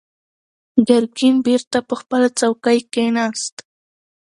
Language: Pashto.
ګرګين بېرته پر خپله څوکۍ کېناست.